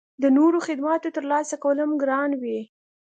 د نورو خدماتو ترلاسه کول هم ګران وي